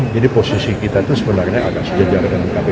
jadi posisi kita itu sebenarnya agak sejajar